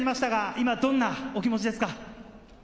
今どんなお気持ちですか？